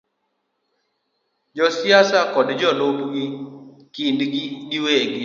Josiasa kod jolupgi kindgi giwegi,